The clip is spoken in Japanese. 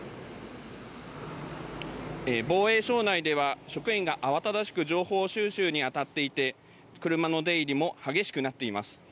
防衛省内では職員が慌ただしく情報収集にあたっていて車の出入りも激しくなっています。